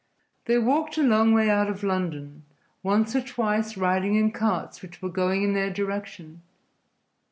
They walked a long way out of London, once or twice riding in carts which were going in their direction.